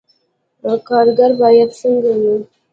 کارګر باید څنګه وي؟